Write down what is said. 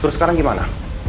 terus sekarang gimana